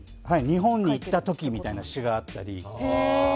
「日本に行った時」みたいな詩があったり。